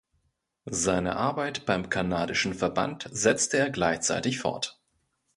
Seine Arbeit beim kanadischen Verband setzte er gleichzeitig fort.